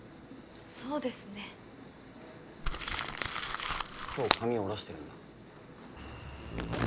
そうですね今日髪下ろしてるんだえっ？